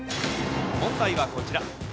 問題はこちら。